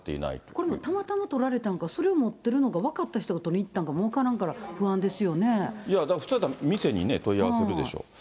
これもう、たまたま取られたんか、それを持ってるのが分かってる人が取りに行ったんか分からんから、いや、だから普通だった、店に問い合わせるでしょ。